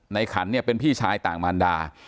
ขันเนี่ยเป็นพี่ชายต่างมารดา